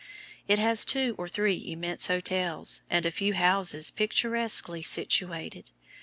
It has two or three immense hotels, and a few houses picturesquely situated.